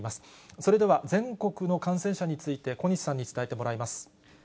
それでは、全国の感染者について、小西さんに伝えてもらいます。